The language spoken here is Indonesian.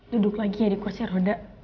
duduk lagi di kursi roda